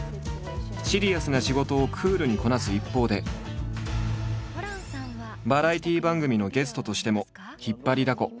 シリアスな仕事をクールにこなす一方でバラエティー番組のゲストとしても引っ張りだこ。